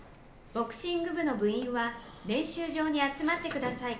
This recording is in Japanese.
ボクシング部の部員は練習場に集まってください」